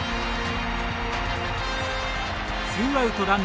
ツーアウトランナーなし。